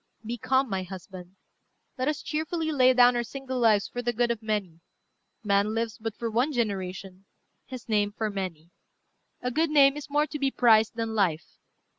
Be calm, my husband. Let us cheerfully lay down our single lives for the good of many. Man lives but for one generation; his name, for many. A good name is more to be prized than life."